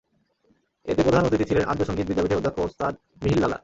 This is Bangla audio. এতে প্রধান অতিথি ছিলেন আর্য সংগীত বিদ্যাপীঠের অধ্যক্ষ ওস্তাদ মিহির লালা।